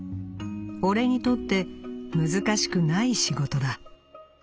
俺にとって難しくない仕事だ。